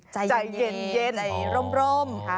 ใจเย็นร่ม